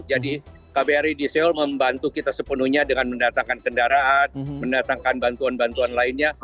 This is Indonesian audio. jadi kbri di seoul membantu kita sepenuhnya dengan mendatangkan kendaraan mendatangkan bantuan bantuan lainnya